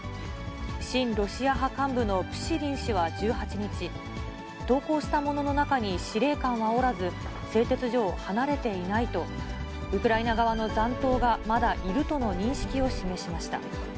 親ロシア派幹部のプシリン氏は１８日、投降した者の中に司令官はおらず、製鉄所を離れていないと、ウクライナ側の残党がまだいるとの認識を示しました。